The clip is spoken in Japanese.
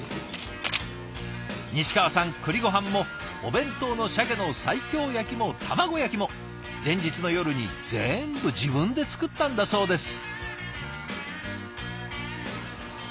西川さん栗ごはんもお弁当のシャケの西京焼きも卵焼きも前日の夜に全部自分で作ったんだそうです。